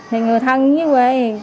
thì người thân với quê